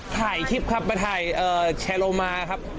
ถ่ายคลิปครับมาถ่ายแชร์โลมาครับ